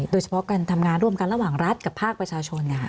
โดยเฉพาะการทำงานร่วมกันระหว่างรัฐกับภาคประชาชน